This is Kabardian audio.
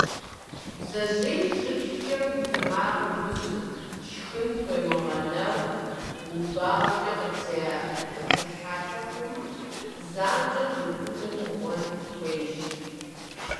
Бдзэжьей щыпшхкӏэ, уи тэмакъыр узу, шхын пхуемыгъэнэхыу, ущыбауэкӏэ къыптехьэлъэ хъуамэ, занщӏэу дохутырым укӏуэн хуейщ.